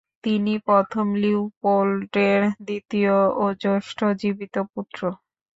তিনি প্রথম লিওপোল্ডের দ্বিতীয় ও জ্যেষ্ঠ জীবিত পুত্র।